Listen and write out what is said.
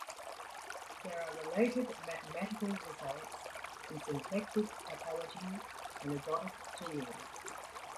There are related mathematical results in symplectic topology and ergodic theory.